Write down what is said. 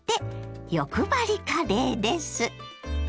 欲張りカレーです。